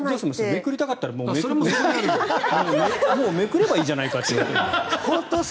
めくりたかったらもうめくればいいじゃないかという。